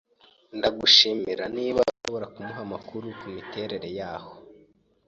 Ndagushimira niba ushobora kumuha amakuru kumiterere yaho.